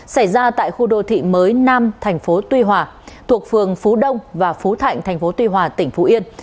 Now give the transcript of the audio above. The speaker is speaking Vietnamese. xảy ra tại khu đô thị mới nam tp tuy hòa thuộc phường phú đông và phú thạnh tp tuy hòa tỉnh phú yên